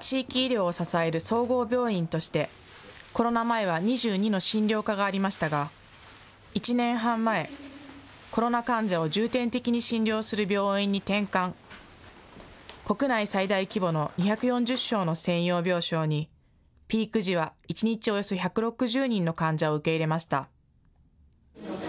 地域医療を支える総合病院としてコロナ前は２２の診療科がありましたが１年半前、コロナ患者を重点的に診療する病院に転換、国内最大規模の２４０床の専用病床にピーク時は一日およそ１６０人の患者を受け入れました。